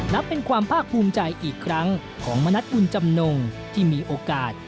นับเป็นความภาคภูมิใจอีกครั้งของมณัฐบุญจำนงที่มีโอกาส